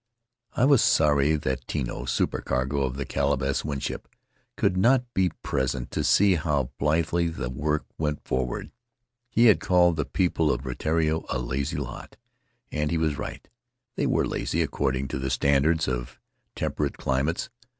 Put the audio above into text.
I was sorry that Tino, supercargo of the Caleb S. Winship, could not be present to see how blithely the work went forward. He had called the people of Rutiaro a lazy lot, and he was right — they were lazy, according to the standards of temperate climates.